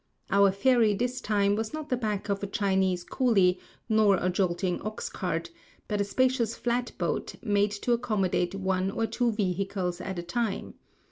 Our ferry this time was not the back of a Chinese coolie nor a jolting ox cart, but a spacious flat boat made to accommodate one or two vehicles at a time.